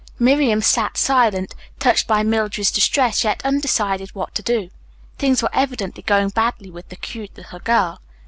Miriam sat silent, touched by Mildred's distress, yet undecided what to do. Things were evidently going badly with the "cute" little girl.